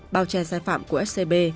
bao che sai phạm của scb